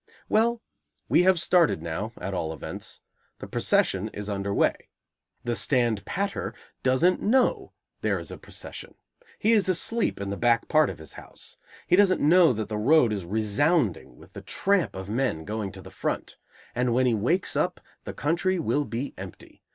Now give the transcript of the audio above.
Well, we have started now at all events. The procession is under way. The stand patter doesn't know there is a procession. He is asleep in the back part of his house. He doesn't know that the road is resounding with the tramp of men going to the front. And when he wakes up, the country will be empty.